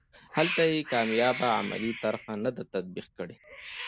هلته یې کامیابه عملي طرحه نه ده تطبیق کړې.